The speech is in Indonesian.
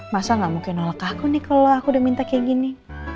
masa gak mungkin nolak aku nih kalau aku udah minta kayak gini